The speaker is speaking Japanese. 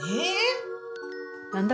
何だ？